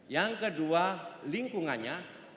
yang kedua lingkungannya